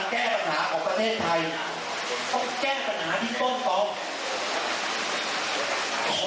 พวกการแก้ปัญหาของประเทศไทยพวกแก้ปัญหาที่ต้องต้อง